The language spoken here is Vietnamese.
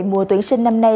mùa tuyển sinh năm nay